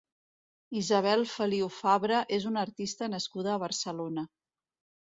Isabel Feliu Fabra és una artista nascuda a Barcelona.